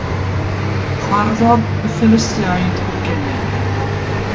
Chwarddodd y Philistiaid gennym.